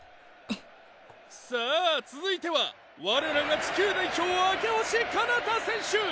さあ続いては我らが地球代表明星かなた選手！